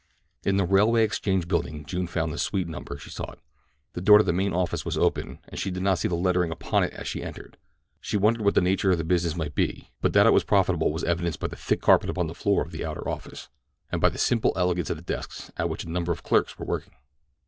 In the Railway Exchange Building June found the suite number she sought. The door to the main office was open, and she did not see the lettering upon it as she entered. She wondered what the nature of the business might be, but that it was profitable was evidenced by the thick carpet upon the floor of the outer office; and by the simple elegance of the desks at which a number of clerks were working.